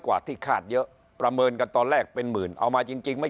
กว่าที่คาดเยอะประเมินกันตอนแรกเป็นหมื่นเอามาจริงจริงไม่